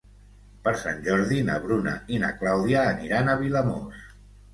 Per Sant Jordi na Bruna i na Clàudia aniran a Vilamòs.